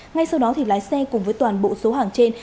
ngay sau đó thì lái xe cùng với toàn bộ số hàng trên